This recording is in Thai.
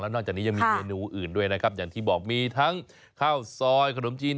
นอกจากนี้ยังมีเมนูอื่นด้วยนะครับอย่างที่บอกมีทั้งข้าวซอยขนมจีน